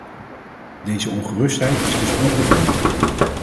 Deze ongerustheid is dus ongegrond.